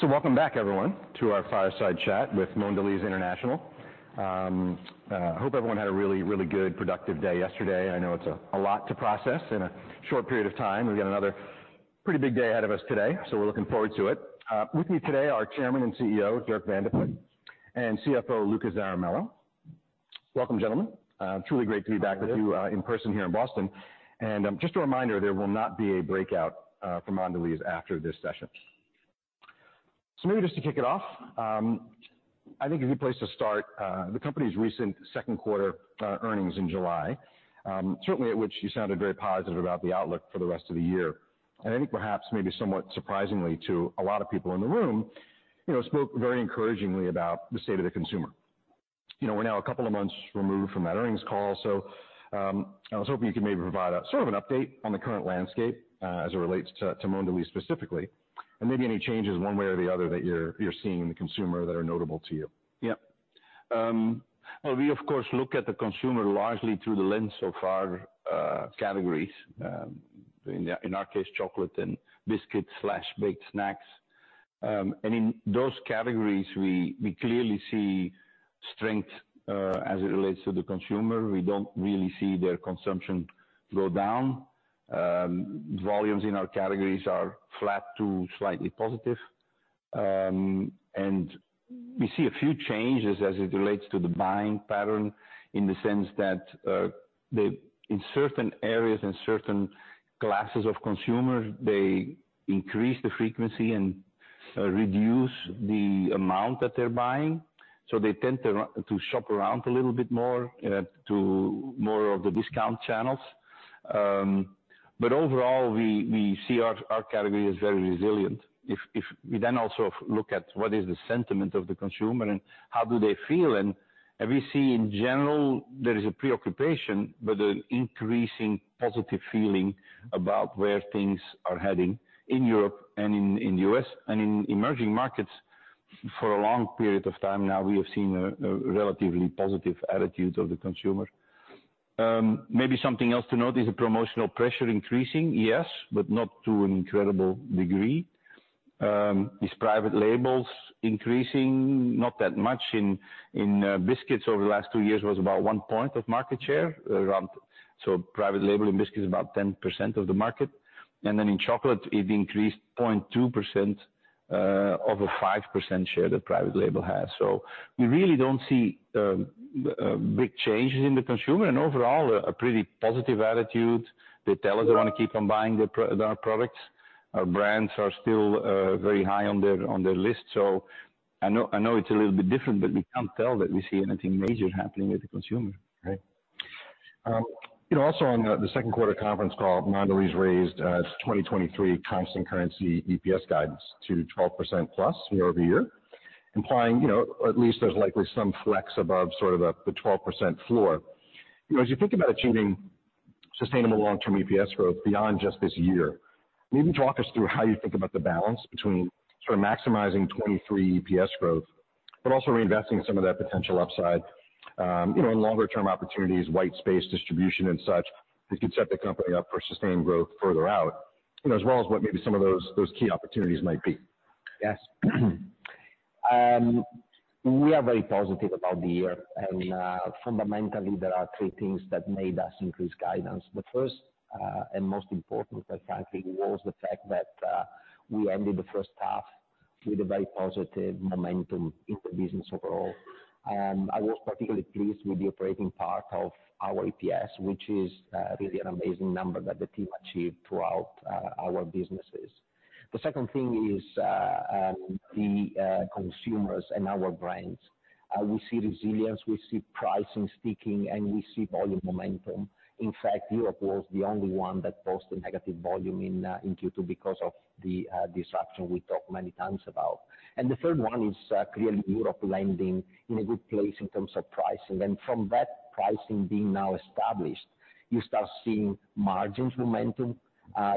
So welcome back everyone, to our fireside chat with Mondelēz International. I hope everyone had a really, really good productive day yesterday. I know it's a lot to process in a short period of time. We've got another pretty big day ahead of us today, so we're looking forward to it. With me today are Chairman and CEO, Dirk Van de Put, and CFO, Luca Zaramella. Welcome, gentlemen. Truly great to be back with you in person here in Boston. Just a reminder, there will not be a breakout for Mondelēz after this session. So maybe just to kick it off, I think a good place to start the company's recent second quarter earnings in July. Certainly at which you sounded very positive about the outlook for the rest of the year. I think perhaps, maybe somewhat surprisingly to a lot of people in the room, you know, spoke very encouragingly about the state of the consumer. You know, we're now a couple of months removed from that earnings call, so I was hoping you could maybe provide a sort of an update on the current landscape, as it relates to Mondelēz specifically, and maybe any changes one way or the other, that you're seeing in the consumer that are notable to you. Yeah. Well, we, of course, look at the consumer largely through the lens of our categories. In our case, chocolate and biscuits/baked snacks. And in those categories, we clearly see strength as it relates to the consumer. We don't really see their consumption go down. Volumes in our categories are flat to slightly positive. And we see a few changes as it relates to the buying pattern, in the sense that in certain areas and certain classes of consumers, they increase the frequency and reduce the amount that they're buying. So they tend to shop around a little bit more to more of the discount channels. But overall, we see our category as very resilient. If we then also look at what is the sentiment of the consumer and how do they feel, and we see in general there is a preoccupation, but an increasing positive feeling about where things are heading in Europe and in the U.S. In emerging markets, for a long period of time now, we have seen a relatively positive attitude of the consumer. Maybe something else to note, is the promotional pressure increasing? Yes, but not to an incredible degree. Is private labels increasing? Not that much. In biscuits over the last 2 years was about 1 point of market share. So private label in biscuits, about 10% of the market. And then in chocolate, it increased 0.2% of a 5% share that private label has. So we really don't see big changes in the consumer, and overall, a pretty positive attitude. They tell us they want to keep on buying our products. Our brands are still very high on their, on their list. So I know, I know it's a little bit different, but we can't tell that we see anything major happening with the consumer. Right. You know, also on the second quarter conference call, Mondelēz raised its 2023 constant currency EPS guidance to 12%+ year-over-year, implying, you know, at least there's likely some flex above sort of the 12% floor. You know, as you think about achieving sustainable long-term EPS growth beyond just this year, maybe talk us through how you think about the balance between sort of maximizing 2023 EPS growth, but also reinvesting some of that potential upside, you know, in longer term opportunities, white space, distribution, and such, that could set the company up for sustained growth further out, you know, as well as what maybe some of those key opportunities might be. Yes. We are very positive about the year, and, fundamentally, there are three things that made us increase guidance. The first, and most important, quite frankly, was the fact that, we ended the first half with a very positive momentum in the business overall. I was particularly pleased with the operating part of our EPS, which is, really an amazing number that the team achieved throughout, our businesses. The second thing is, the consumers and our brands. We see resilience, we see pricing sticking, and we see volume momentum. In fact, Europe was the only one that posted negative volume in Q2 because of the disruption we talked many times about. And the third one is, clearly Europe landing in a good place in terms of pricing. Then from that pricing being now established, you start seeing margins momentum.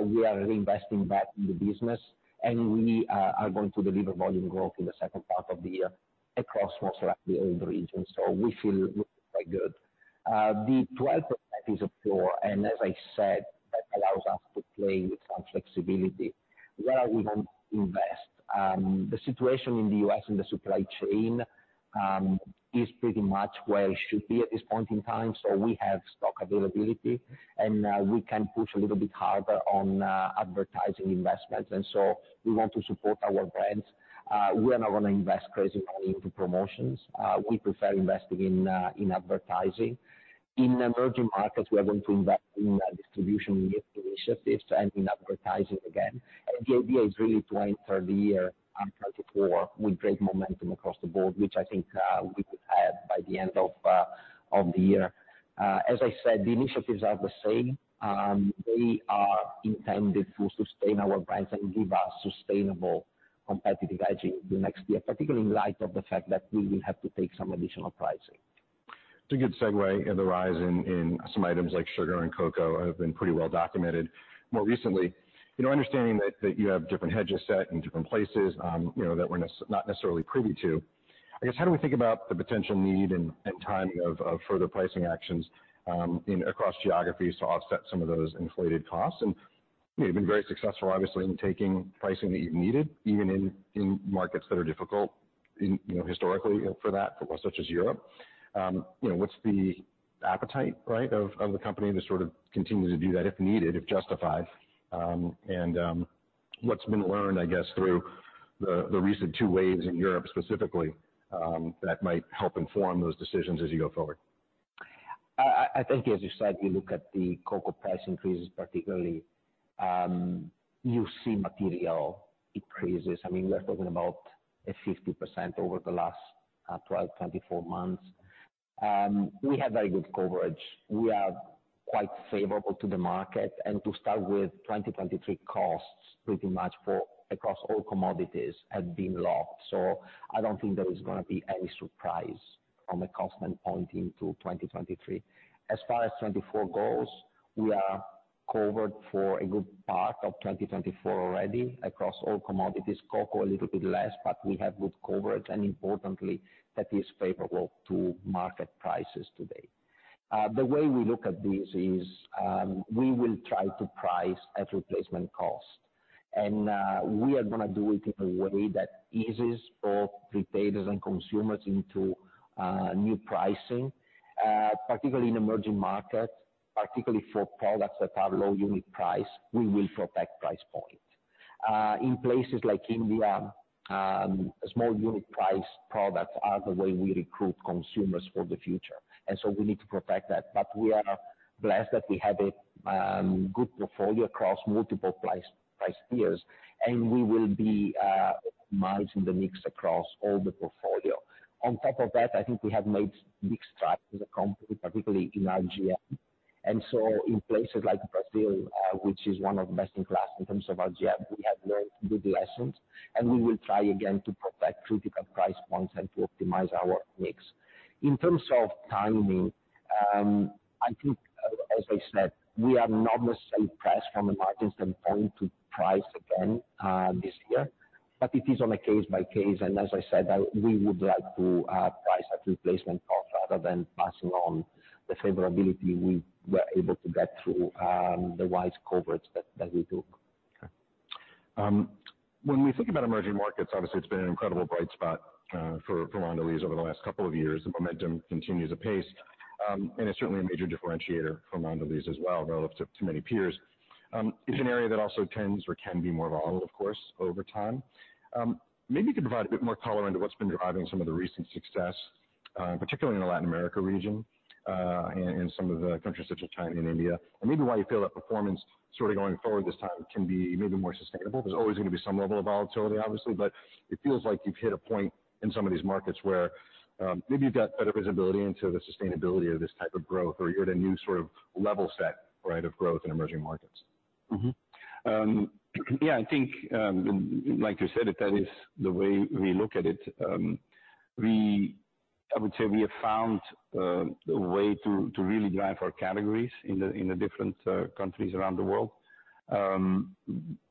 We are reinvesting that in the business, and we are going to deliver volume growth in the second part of the year across all the regions. So we feel quite good. The 12 is a floor, and as I said, that allows us to play with some flexibility where we want to invest. The situation in the U.S. and the supply chain is pretty much where it should be at this point in time. So we have stock availability, and we can push a little bit harder on advertising investments, and so we want to support our brands. We are not going to invest crazy money into promotions. We prefer investing in advertising. In emerging markets, we are going to invest in distribution initiatives and in advertising again. The idea is really to enter the year on twenty-four with great momentum across the board, which I think we could have by the end of the year. As I said, the initiatives are the same. They are intended to sustain our brands and give us sustainable competitive edge in the next year, particularly in light of the fact that we will have to take some additional pricing. It's a good segue, and the rise in some items like sugar and cocoa have been pretty well documented more recently. You know, understanding that you have different hedges set in different places, you know, that we're not necessarily privy to. I guess, how do we think about the potential need and timing of further pricing actions in across geographies to offset some of those inflated costs? And you've been very successful, obviously, in taking pricing that you've needed, even in markets that are difficult, you know, historically for that, for such as Europe. You know, what's the appetite, right, of the company to sort of continue to do that, if needed, if justified? What's been learned, I guess, through the recent two waves in Europe specifically, that might help inform those decisions as you go forward? I think as you said, we look at the cocoa price increases particularly, you see material increases. I mean, we are talking about a 50% over the last 12 months, 24 months. We have very good coverage. We are quite favorable to the market, and to start with 2023 costs pretty much for across all commodities have been locked. So I don't think there is gonna be any surprise from a cost standpoint into 2023. As far as 2024 goes, we are covered for a good part of 2024 already across all commodities, cocoa a little bit less, but we have good coverage, and importantly, that is favorable to market prices today. The way we look at this is, we will try to price at replacement cost, and we are gonna do it in a way that eases both retailers and consumers into new pricing, particularly in emerging markets, particularly for products that are low unit price, we will protect price point. In places like India, small unit price products are the way we recruit consumers for the future, and so we need to protect that. But we are blessed that we have a good portfolio across multiple price, price tiers, and we will be managing the mix across all the portfolio. On top of that, I think we have made big strides as a company, particularly in RGM, and so in places like Brazil, which is one of the best in class in terms of RGM, we have learned good lessons, and we will try again to protect critical price points and to optimize our mix. In terms of timing, I think, as I said, we are not necessarily pressed from a margin standpoint to price again, this year, but it is on a case by case, and as I said, we would like to price at replacement cost rather than passing on the favorability we were able to get through the wise coverage that we took. Okay. When we think about emerging markets, obviously it's been an incredible bright spot for Mondelēz over the last couple of years. The momentum continues apace, and it's certainly a major differentiator for Mondelēz as well, relative to many peers. It's an area that also tends or can be more volatile, of course, over time. Maybe you could provide a bit more color into what's been driving some of the recent success, particularly in the Latin America region, and some of the countries such as China and India, and maybe why you feel that performance sort of going forward this time can be maybe more sustainable. There's always going to be some level of volatility, obviously, but it feels like you've hit a point in some of these markets where maybe you've got better visibility into the sustainability of this type of growth, or you're at a new sort of level set, right, of growth in emerging markets. Mm-hmm. Yeah, I think, like you said, that is the way we look at it. I would say we have found a way to really drive our categories in the different countries around the world.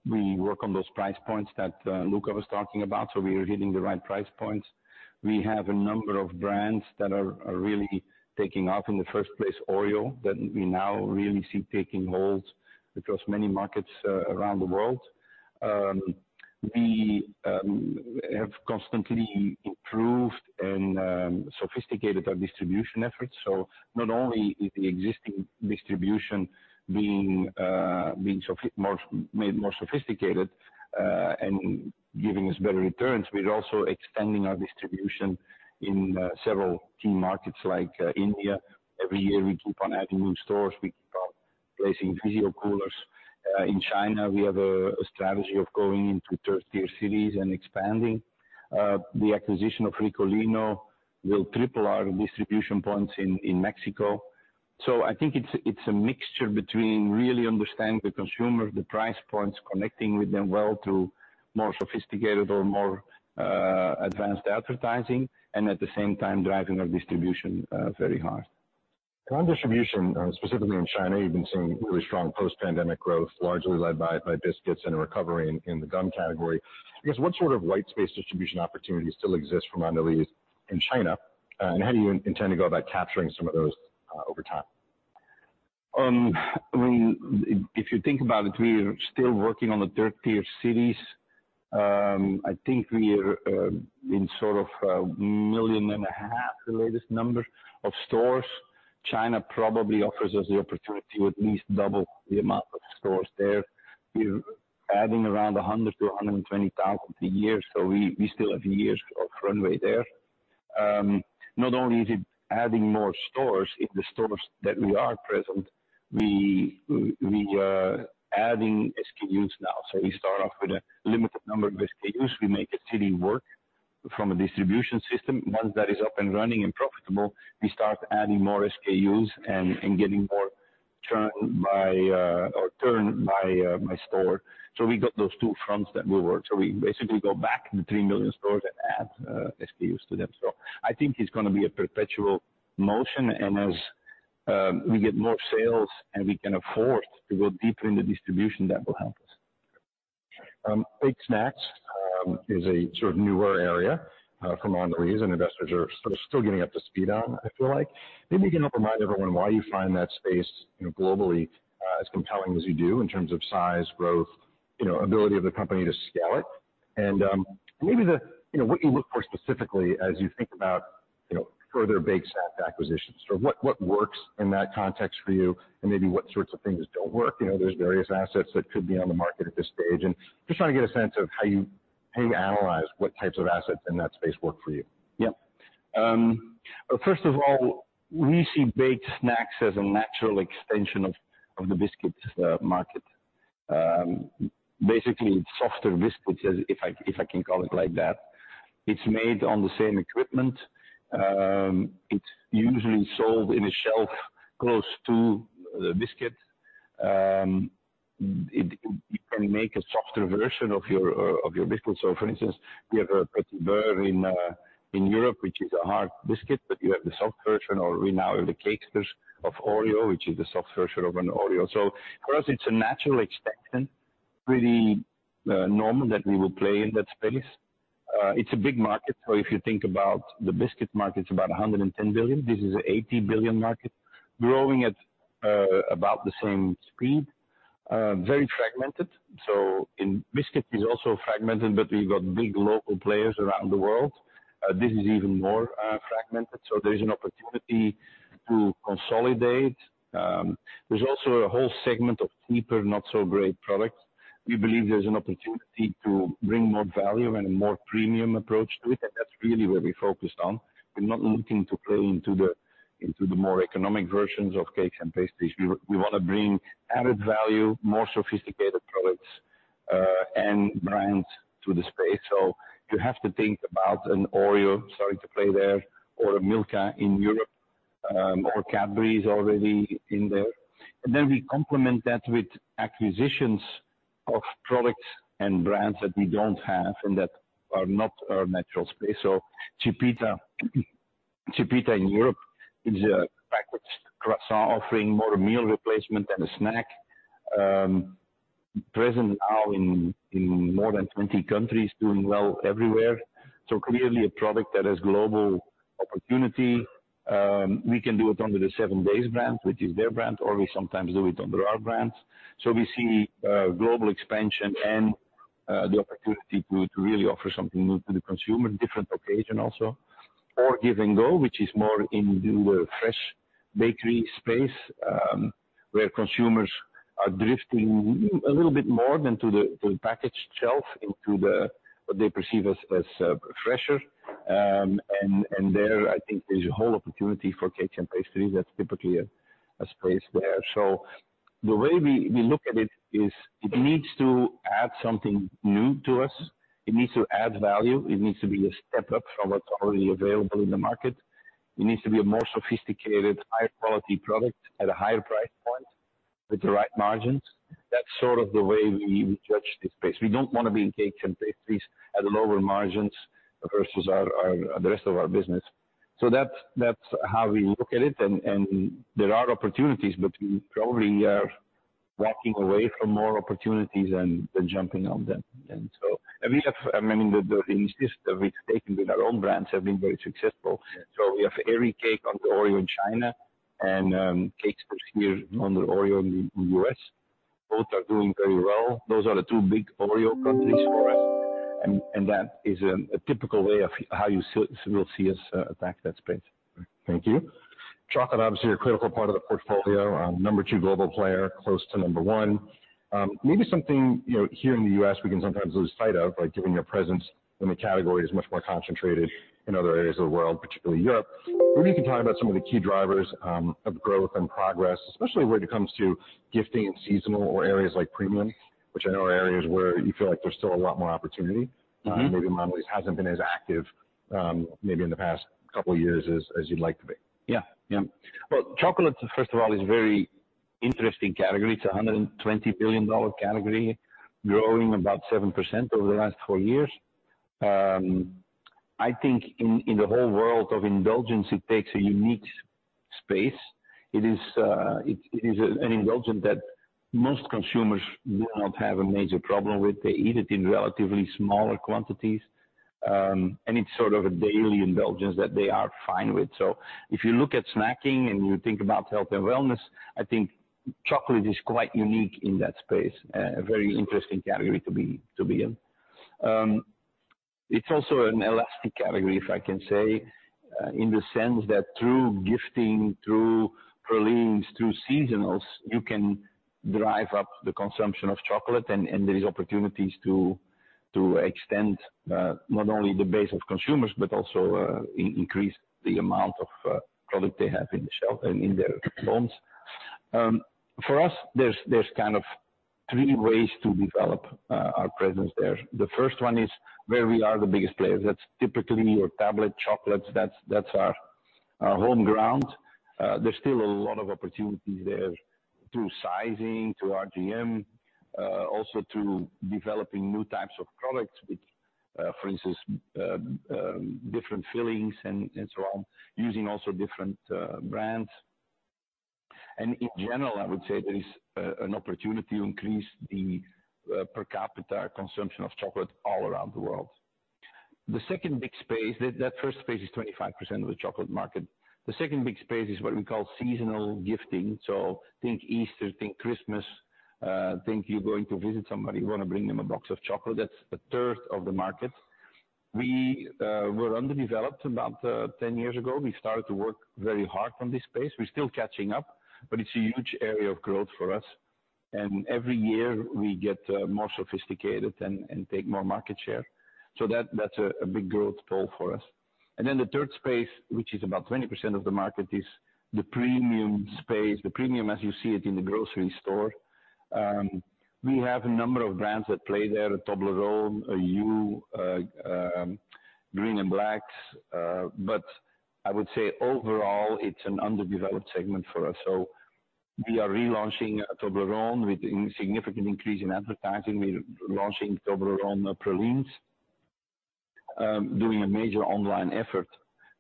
We work on those price points that Luca was talking about, so we are hitting the right price points. We have a number of brands that are really taking off in the first place, Oreo, that we now really see taking hold across many markets around the world. We have constantly improved and sophisticated our distribution efforts. So not only is the existing distribution being made more sophisticated and giving us better returns, we're also expanding our distribution in several key markets like India. Every year, we keep on adding new stores. We keep on placing Oreo coolers. In China, we have a strategy of going into third-tier cities and expanding. The acquisition of Ricolino will triple our distribution points in Mexico. So I think it's a mixture between really understanding the consumer, the price points, connecting with them well to more sophisticated or more advanced advertising, and at the same time driving our distribution very hard. On distribution, specifically in China, you've been seeing really strong post-pandemic growth, largely led by biscuits and a recovery in the gum category. I guess, what sort of white space distribution opportunities still exist for Mondelēz in China, and how do you intend to go about capturing some of those, over time? I mean, if you think about it, we are still working on the third-tier cities. I think we are in sort of 1.5 million, the latest number, of stores. China probably offers us the opportunity to at least double the amount of stores there. We're adding around 100,000 stores-120,000 stores a year, so we still have years of runway there. Not only is it adding more stores, in the stores that we are present, we are adding SKUs now. So we start off with a limited number of SKUs. We make a city work from a distribution system. Once that is up and running and profitable, we start adding more SKUs and getting more turn by store. So we got those two fronts that we work. So we basically go back in the 3 million stores and add SKUs to them. So I think it's gonna be a perpetual motion, and as we get more sales, and we can afford to go deeper in the distribution, that will help us. Baked snacks is a sort of newer area for Mondelēz, and investors are sort of still getting up to speed on, I feel like. Maybe you can help remind everyone why you find that space, you know, globally, as compelling as you do in terms of size, growth, you know, ability of the company to scale it. And maybe, you know, what you look for specifically as you think about, you know, further baked snack acquisitions, or what works in that context for you and maybe what sorts of things don't work? You know, there's various assets that could be on the market at this stage, and just trying to get a sense of how you analyze what types of assets in that space work for you. Yeah. First of all, we see baked snacks as a natural extension of the biscuits market. Basically, softer biscuits, as if I can call it like that. It's made on the same equipment. It's usually sold in a shelf close to the biscuit. You can make a softer version of your biscuit. So for instance, we have a Petit Beurre in Europe, which is a hard biscuit, but you have the soft version, or we now have the OREO Cakesters, which is the soft version of an Oreo. So for us, it's a natural expansion, pretty normal that we will play in that space. It's a big market, so if you think about the biscuit market, it's about $110 billion. This is an $80 billion market, growing at about the same speed. Very fragmented. Biscuit is also fragmented, but we've got big local players around the world. This is even more fragmented, so there is an opportunity to consolidate. There's also a whole segment of cheaper, not so great products. We believe there's an opportunity to bring more value and a more premium approach to it, and that's really where we focused on. We're not looking to play into the, into the more economic versions of cakes and pastries. We want to bring added value, more sophisticated products, and brands to the space. So you have to think about an Oreo starting to play there, or a Milka in Europe, or Cadbury's already in there. And then we complement that with acquisitions of products and brands that we don't have and that are not our natural space. So Chipita in Europe is a packaged croissant, offering more a meal replacement than a snack. Present now in more than 20 countries, doing well everywhere. So clearly a product that has global opportunity. We can do it under the 7Days brand, which is their brand, or we sometimes do it under our brands. So we see global expansion and the opportunity to really offer something new to the consumer, different occasion also. Or Give & Go, which is more in the fresh bakery space, where consumers are drifting a little bit more than to the packaged shelf into the what they perceive as fresher. And there, I think there's a whole opportunity for cakes and pastries that's typically a space there. So the way we look at it is it needs to add something new to us. It needs to add value. It needs to be a step up from what's already available in the market. It needs to be a more sophisticated, high quality product at a higher price point with the right margins. That's sort of the way we judge this space. We don't want to be in cakes and pastries at lower margins versus the rest of our business. So that's how we look at it, and there are opportunities, but we probably are walking away from more opportunities than jumping on them. And we have, I mean, the mistakes that we've taken with our own brands have been very successful. So we have Airy Cake on Oreo in China and, Cakesters here on the Oreo in the U.S. Both are doing very well. Those are the two big Oreo countries for us, and that is a typical way of how you see, will see us attack that space. Thank you. Chocolate, obviously, a critical part of the portfolio. Number two global player, close to number one. Maybe something, you know, here in the U.S., we can sometimes lose sight of, like, giving a presence when the category is much more concentrated in other areas of the world, particularly Europe. Maybe you can talk about some of the key drivers of growth and progress, especially when it comes to gifting and seasonal or areas like premium, which I know are areas where you feel like there's still a lot more opportunity. Mm-hmm. Maybe Mondelēz hasn't been as active, maybe in the past couple of years as, as you'd like to be. Yeah. Yeah. Well, chocolate, first of all, is a very interesting category. It's a $120 billion category, growing about 7% over the last four years. I think in, in the whole world of indulgence, it takes a unique space. It is an indulgence that most consumers will not have a major problem with. They eat it in relatively smaller quantities, and it's sort of a daily indulgence that they are fine with. So if you look at snacking and you think about health and wellness, I think chocolate is quite unique in that space, a very interesting category to be in. It's also an elastic category, if I can say, in the sense that through gifting, through pralines, through seasonals, you can drive up the consumption of chocolate, and there is opportunities to extend, not only the base of consumers, but also, increase the amount of product they have in the shelf and in their homes. For us, there's kind of three ways to develop our presence there. The first one is where we are the biggest players. That's typically your tablet chocolates. That's our home ground. There's still a lot of opportunities there through sizing, through RGM, also through developing new types of products with, for instance, different fillings and so on, using also different brands. In general, I would say there is an opportunity to increase the per capita consumption of chocolate all around the world. The second big space, the first space is 25% of the chocolate market. The second big space is what we call seasonal gifting. So think Easter, think Christmas, think you're going to visit somebody, you wanna bring them a box of chocolate. That's a third of the market. We were underdeveloped about 10 years ago. We started to work very hard on this space. We're still catching up, but it's a huge area of growth for us, and every year we get more sophisticated and take more market share. So that's a big growth goal for us. And then the third space, which is about 20% of the market, is the premium space. The premium, as you see it in the grocery store. We have a number of brands that play there, Toblerone, Hu, Green & Black's, but I would say overall, it's an underdeveloped segment for us. So we are relaunching Toblerone with a significant increase in advertising. We're launching Toblerone Pralines, doing a major online effort.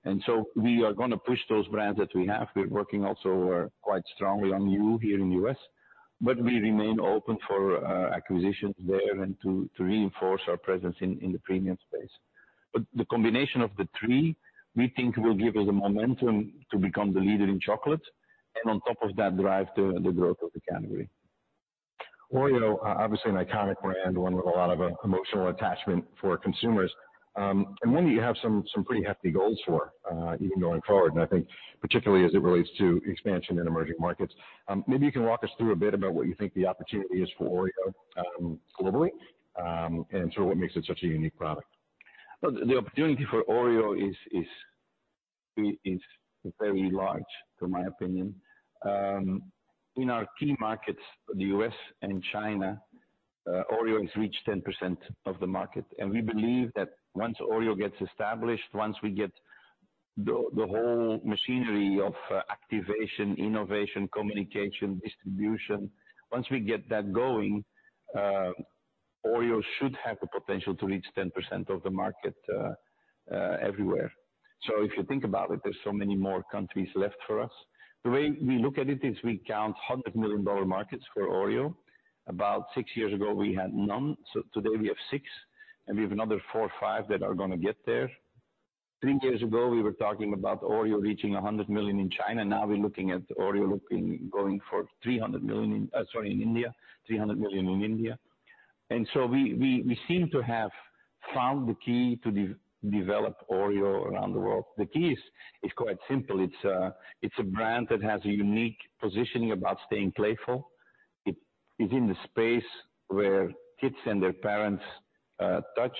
And so we are gonna push those brands that we have. We're working also quite strongly on Hu here in the U.S., but we remain open for acquisitions there and to reinforce our presence in the premium space. But the combination of the three, we think, will give us the momentum to become the leader in chocolate, and on top of that, drive the growth of the category. Oreo, obviously an iconic brand, one with a lot of emotional attachment for consumers, and one you have some, some pretty hefty goals for, even going forward, and I think particularly as it relates to expansion in emerging markets. Maybe you can walk us through a bit about what you think the opportunity is for Oreo, globally, and sort of what makes it such a unique product. Well, the opportunity for Oreo is very large, in my opinion. In our key markets, the U.S. and China, Oreo has reached 10% of the market, and we believe that once Oreo gets established, once we get the whole machinery of activation, innovation, communication, distribution, once we get that going, Oreo should have the potential to reach 10% of the market everywhere. So if you think about it, there's so many more countries left for us. The way we look at it is we count $100 million markets for Oreo. About 6 years ago, we had none. So today we have 6 countries, and we have another 4 countries or 5 countries that are gonna get there. 3 years ago, we were talking about Oreo reaching $100 million in China, now we're looking at Oreo looking—going for $300 million in India, $300 million in India. And so we seem to have found the key to develop Oreo around the world. The key is quite simple. It's a brand that has a unique positioning about staying playful. It is in the space where kids and their parents touch.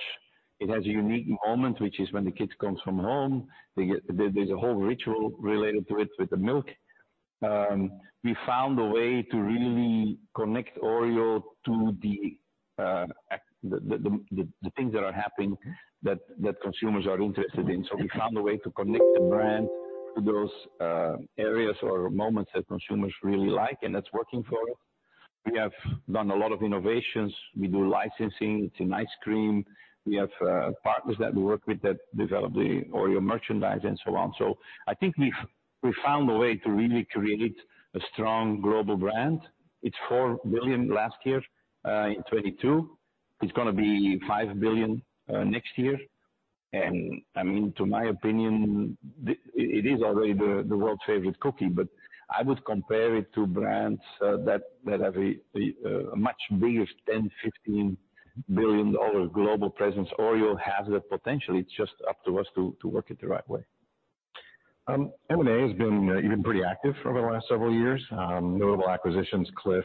It has a unique moment, which is when the kids comes from home, they get there, there's a whole ritual related to it, with the milk. We found a way to really connect Oreo to the things that are happening that consumers are interested in. So we found a way to connect the brand to those areas or moments that consumers really like, and that's working for us. We have done a lot of innovations. We do licensing, it's in ice cream. We have partners that we work with that develop the Oreo merchandise and so on. So I think we've found a way to really create a strong global brand. It's $4 billion last year, in 2022. It's gonna be $5 billion next year. And I mean, to my opinion, it is already the world's favorite cookie, but I would compare it to brands that have a much bigger $10 billion-$15 billion global presence. Oreo has the potential, it's just up to us to work it the right way. M&A has been, you've been pretty active over the last several years. Notable acquisitions, Clif,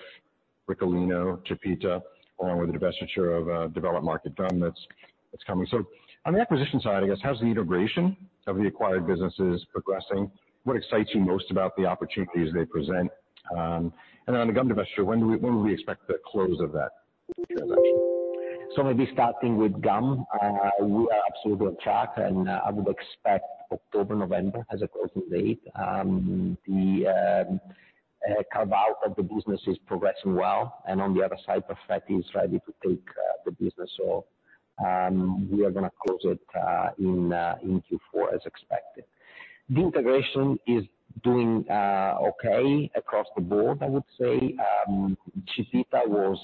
Ricolino, Chipita, along with the divestiture of developed market gum that's coming. So on the acquisition side, I guess, how's the integration of the acquired businesses progressing? What excites you most about the opportunities they present? And on the gum divestiture, when do we expect the close of that transaction? So maybe starting with gum, we are absolutely on track, and I would expect October, November as a closing date. The carve-out of the business is progressing well, and on the other side, Perfetti is ready to take the business off. We are gonna close it in Q4, as expected. The integration is doing okay across the board, I would say. Chipita was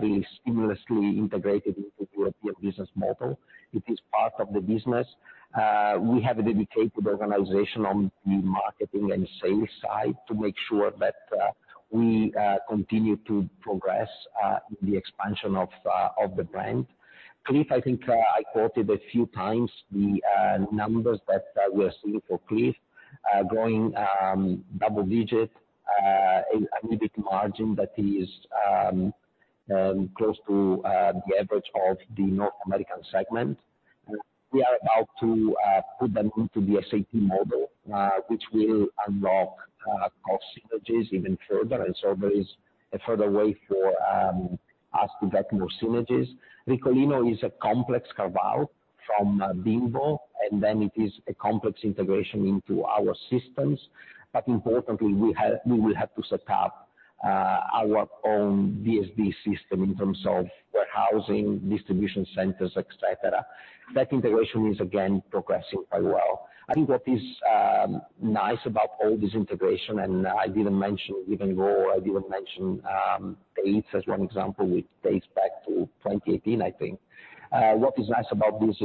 really seamlessly integrated into the European business model. It is part of the business. We have a dedicated organization on the marketing and sales side to make sure that we continue to progress the expansion of the brand. Clif, I think I quoted a few times the numbers that we are seeing for Clif. Growing double-digit, a little bit margin, but it is close to the average of the North American segment. We are about to put them into the SAP model, which will unlock cost synergies even further, and so there is a further way for us to get more synergies. Ricolino is a complex carve-out from Bimbo, and then it is a complex integration into our systems, but importantly, we will have to set up our own DSD system in terms of warehousing, distribution centers, et cetera. That integration is again progressing quite well. I think what is nice about all this integration, and I didn't mention even though I didn't mention Tate's as one example, which dates back to 2018, I think. What is nice about this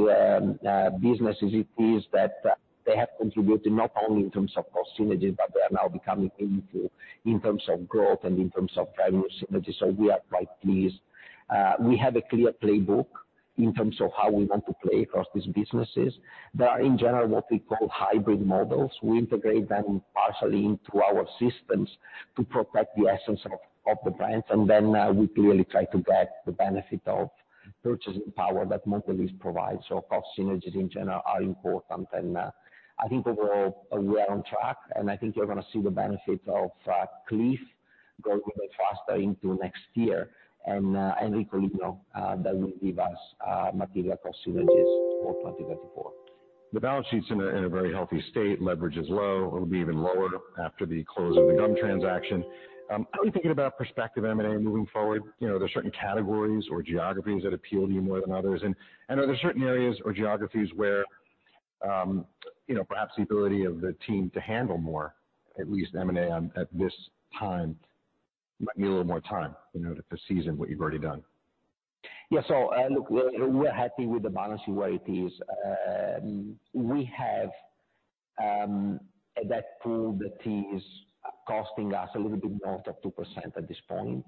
business is, it is that they have contributed not only in terms of cost synergies, but they are now becoming into, in terms of growth and in terms of revenue synergies. So we are quite pleased. We have a clear playbook in terms of how we want to play across these businesses. They are, in general, what we call hybrid models. We integrate them partially into our systems to protect the essence of, of the brands, and then, we clearly try to get the benefit of purchasing power that Mondelēz provides. So cost synergies, in general, are important, and, I think overall we are on track, and I think you're gonna see the benefits of, Clif go a bit faster into next year. And, and equally, that will give us, material cost synergies for 2024. The balance sheet's in a very healthy state. Leverage is low. It'll be even lower after the close of the gum transaction. How are you thinking about prospective M&A moving forward? You know, are there certain categories or geographies that appeal to you more than others? And are there certain areas or geographies where, you know, perhaps the ability of the team to handle more, at least M&A on, at this time, might need a little more time, you know, to season what you've already done? Yeah. So, look, we're happy with the balance sheet where it is. We have a debt pool that is costing us a little bit north of 2% at this point,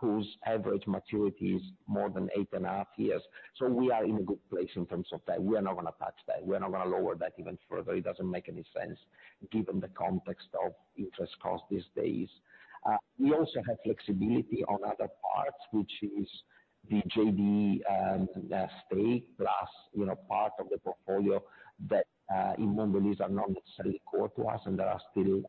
whose average maturity is more than 8.5 years. So we are in a good place in terms of that. We are not gonna touch that. We are not gonna lower that even further. It doesn't make any sense given the context of interest costs these days. We also have flexibility on other parts, which is the JDE stake, plus, you know, part of the portfolio that in Mondelēz are not necessarily core to us, and there are still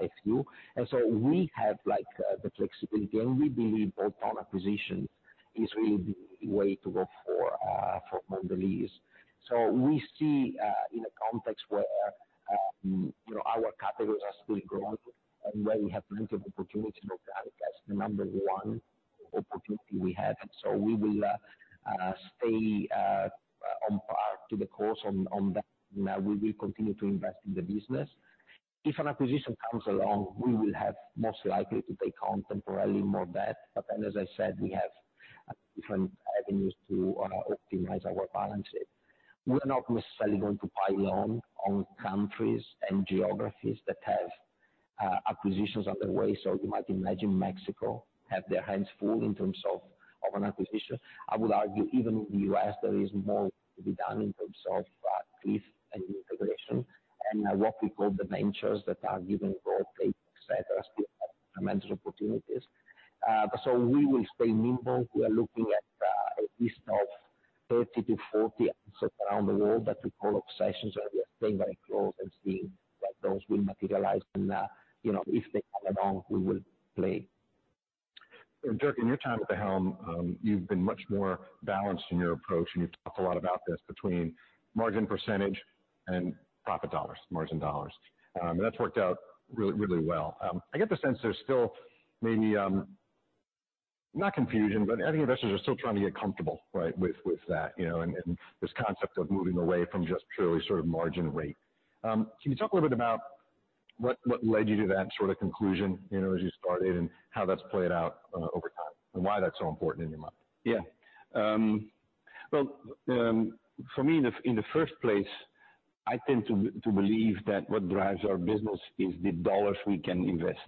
a few. And so we have, like, the flexibility, and we believe organic position is really the way to go for Mondelēz. So we see, in a context where, you know, our categories are still growing and where we have plenty of opportunities, look, that's the number one opportunity we have. So we will stay on par to the course on that. We will continue to invest in the business. If an acquisition comes along, we will have most likely to take on temporarily more debt. But then, as I said, we have different avenues to optimize our balance sheet. We are not necessarily going to pile on countries and geographies that have acquisitions on the way. So you might imagine Mexico have their hands full in terms of an acquisition. I would argue even in the U.S., there is more to be done in terms of Clif and integration and what we call the ventures that are giving growth rate, et cetera, still have tremendous opportunities. So we will stay nimble. We are looking at a list of 30 assets-40 assets around the world that we call obsessions, and we are staying very close and seeing that those will materialize. You know, if they come along, we will play. Dirk, in your time at the helm, you've been much more balanced in your approach, and you've talked a lot about this between margin percentage and profit dollars, margin dollars. That's worked out really, really well. I get the sense there's still maybe not confusion, but I think investors are still trying to get comfortable, right, with that, you know, and this concept of moving away from just purely sort of margin rate. Can you talk a little bit about what led you to that sort of conclusion, you know, as you started and how that's played out, over time, and why that's so important in your mind? Yeah. Well, for me, in the first place, I tend to believe that what drives our business is the dollars we can invest.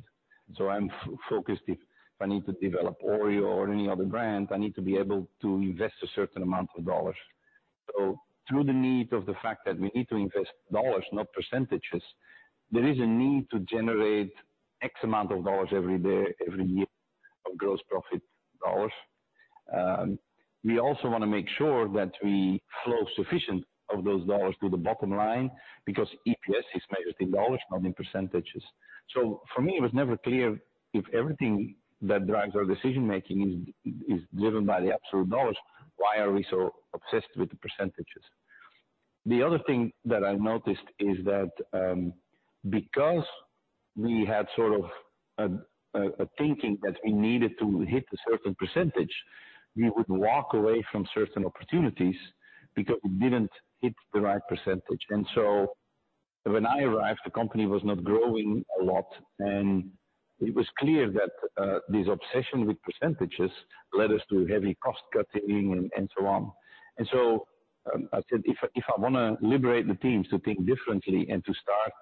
So I'm focused. If I need to develop Oreo or any other brand, I need to be able to invest a certain amount of dollars. So through the need of the fact that we need to invest dollars, not percentages, there is a need to generate X amount of dollars every day, every year, of gross profit dollars. We also wanna make sure that we flow sufficient of those dollars to the bottom line, because EPS is measured in dollars, not in percentages. So for me, it was never clear if everything that drives our decision-making is driven by the absolute dollars, why are we so obsessed with the percentages? The other thing that I noticed is that, because we had sort of a thinking that we needed to hit a certain percentage, we would walk away from certain opportunities because we didn't hit the right percentage. And so when I arrived, the company was not growing a lot, and it was clear that, this obsession with percentages led us to heavy cost-cutting and so on. And so, I said, "If I wanna liberate the teams to think differently and to start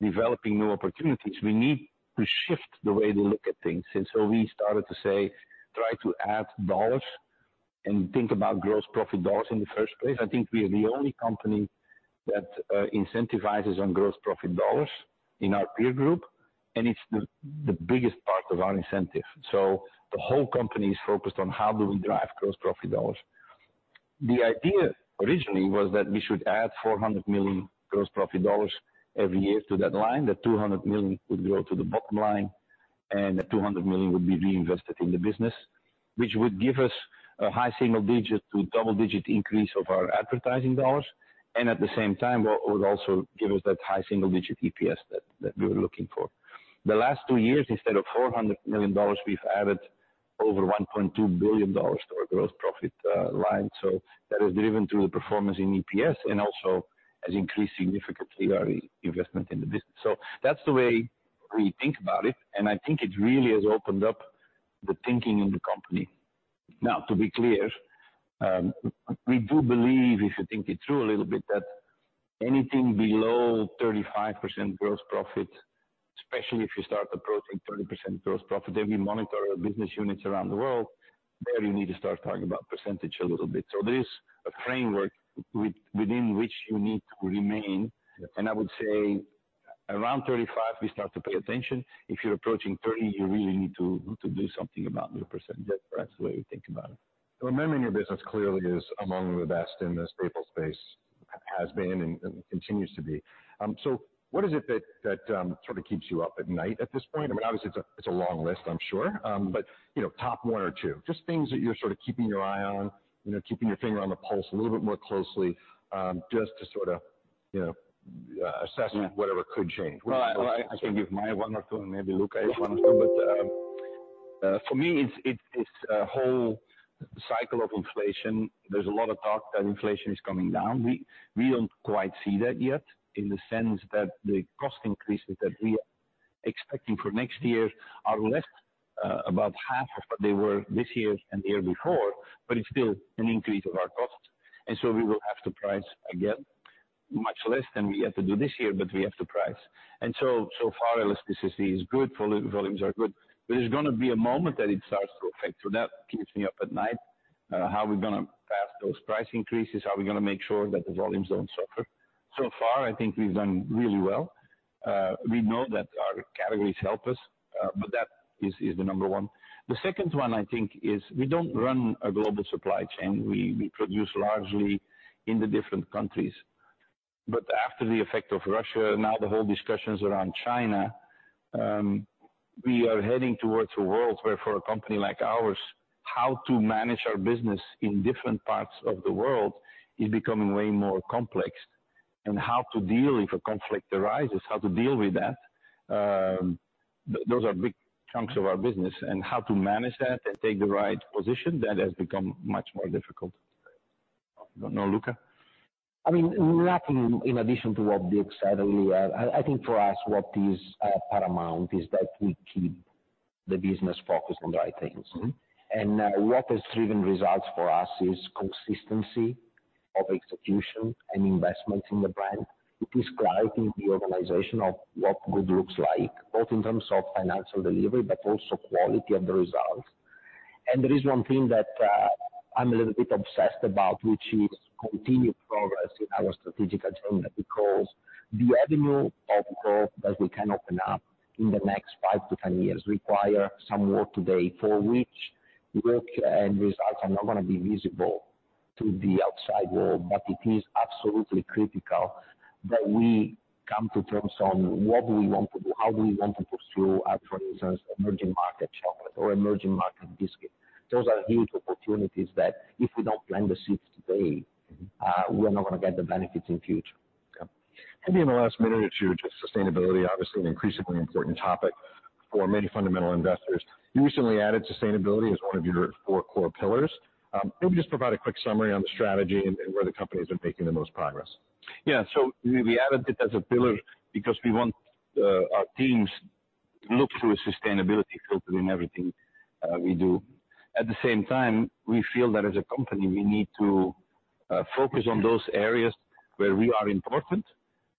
developing new opportunities, we need to shift the way they look at things." And so we started to say, "Try to add dollars and think about gross profit dollars in the first place." I think we are the only company that incentivizes on gross profit dollars in our peer group, and it's the biggest part of our incentive. The whole company is focused on how do we drive gross profit dollars. The idea originally was that we should add $400 million gross profit dollars every year to that line. That $200 million would go to the bottom line, and that $200 million would be reinvested in the business which would give us a high single digit to double digit increase of our advertising dollars, and at the same time, will, would also give us that high single digit EPS that, that we were looking for. The last two years, instead of $400 million, we've added over $1.2 billion to our gross profit line. So that is driven through the performance in EPS and also has increased significantly our investment in the business. So that's the way we think about it, and I think it really has opened up the thinking in the company. Now, to be clear, we do believe, if you think it through a little bit, that anything below 35% gross profit, especially if you start approaching 30% gross profit, then we monitor our business units around the world, there you need to start talking about percentage a little bit. So there is a framework within which you need to remain. And I would say, around 35, we start to pay attention. If you're approaching 30, you really need to, to do something about your percentage. That's the way we think about it. Well, managing your business clearly is among the best in the staples space, has been and continues to be. So what is it that sort of keeps you up at night at this point? I mean, obviously, it's a long list, I'm sure. But you know, top one or two, just things that you're sort of keeping your eye on, you know, keeping your finger on the pulse a little bit more closely, just to sort of, you know, assess whatever could change. Well, I can give my one or two, and maybe Luca has one or two. But, for me, it's a whole cycle of inflation. There's a lot of talk that inflation is coming down. We don't quite see that yet in the sense that the cost increases that we are expecting for next year are less, about half of what they were this year and the year before, but it's still an increase of our costs, and so we will have to price again, much less than we had to do this year, but we have to price. And so, so far, elasticity is good, volumes are good, but there's gonna be a moment that it starts to affect. So that keeps me up at night. How we're gonna pass those price increases? How we're gonna make sure that the volumes don't suffer? So far, I think we've done really well. We know that our categories help us, but that is the number one. The second one, I think, is we don't run a global supply chain. We produce largely in the different countries. But after the effect of Russia, now the whole discussions around China, we are heading towards a world where for a company like ours, how to manage our business in different parts of the world is becoming way more complex. And how to deal if a conflict arises, how to deal with that, those are big chunks of our business, and how to manage that and take the right position, that has become much more difficult. I don't know, Luca? I mean, nothing in addition to what Dirk said. I think for us, what is paramount is that we keep the business focused on the right things. What has driven results for us is consistency of execution and investment in the brand. It is driving the organization of what good looks like, both in terms of financial delivery, but also quality of the results. There is one thing that I'm a little bit obsessed about, which is continued progress in our strategic agenda, because the avenue of growth that we can open up in the next 5 years-10 years require some work today, for which work and results are not gonna be visible to the outside world. It is absolutely critical that we come to terms on what do we want to do, how do we want to pursue our, for instance, emerging market chocolate or emerging market biscuit. Those are huge opportunities that if we don't plant the seeds today, we are not gonna get the benefits in future. Okay. Maybe in the last minute or two, just sustainability, obviously an increasingly important topic for many fundamental investors. You recently added sustainability as one of your four core pillars. Maybe just provide a quick summary on the strategy and, and where the companies are making the most progress? Yeah. So we, we added it as a pillar because we want our teams to look through a sustainability filter in everything we do. At the same time, we feel that as a company, we need to focus on those areas where we are important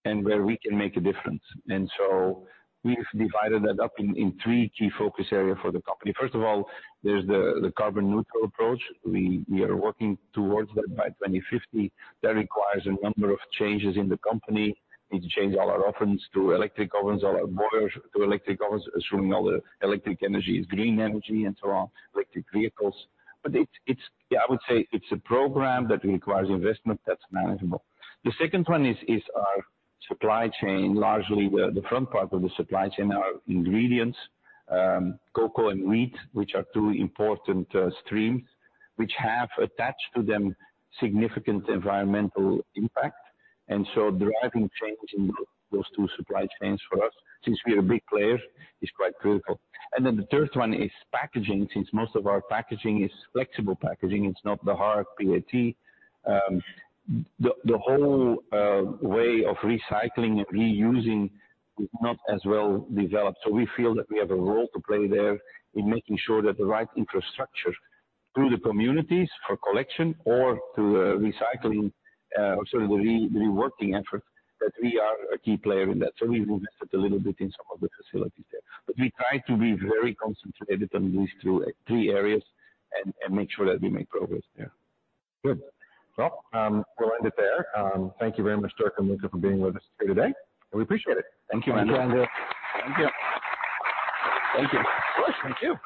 and where we can make a difference. And so we've divided that up in, in three key focus area for the company. First of all, there's the, the carbon neutral approach. We, we are working towards that by 2050. That requires a number of changes in the company. We need to change all our ovens to electric ovens, all our boilers to electric ovens, assuming all the electric energy is green energy, and so on, electric vehicles. But it's, it's—Yeah, I would say it's a program that requires investment that's manageable. The second one is our supply chain, largely the front part of the supply chain, our ingredients, cocoa and wheat, which are two important streams, which have attached to them significant environmental impact. And so driving change in those two supply chains for us, since we are a big player, is quite critical. And then the third one is packaging. Since most of our packaging is flexible packaging, it's not the hard PET. The whole way of recycling and reusing is not as well developed. So we feel that we have a role to play there in making sure that the right infrastructure through the communities for collection or through recycling, sorry, the reworking effort, that we are a key player in that. So we will invest a little bit in some of the facilities there. But we try to be very concentrated on these two, three areas and make sure that we make progress there. Good. Well, we'll end it there. Thank you very much, Dirk and Luca, for being with us here today, and we appreciate it. Thank you, Andrew. Thank you, Andrew. Thank you. Of course. Thank you.